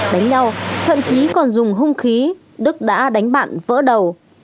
đánh nhau thậm chí còn dùng hung khí đức đã đánh bạn vỡ đầu